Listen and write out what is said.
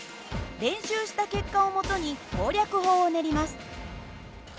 練習した結果を基に攻略法を練ります。